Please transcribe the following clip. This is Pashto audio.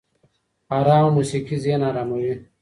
ارامه موسيقي ذهن اراموي